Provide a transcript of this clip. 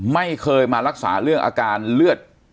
ไม่เคยมารักษาเรื่องอาการเลือด